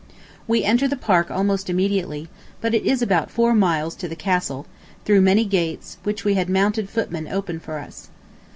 We enter the Park almost immediately, but it is about four miles to the Castle, through many gates, which we had mounted footmen open for us.